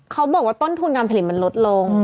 เขาบอกว่าต้นทุนการผลิตมันลดลง